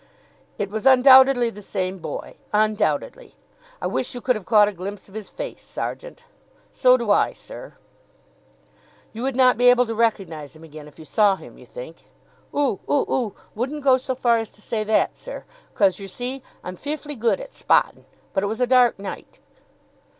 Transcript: "It was undoubtedly the same boy, undoubtedly! I wish you could have caught a glimpse of his face, sergeant." "So do I, sir." "You would not be able to recognise him again if you saw him, you think?" "Oo oo oo! Wouldn't go so far as to say that, sir, 'cos yer see, I'm feeflee good at spottin', but it was a dark night."